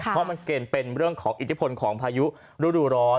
เพราะมันเป็นเรื่องของอิทธิพลของพายุฤดูร้อน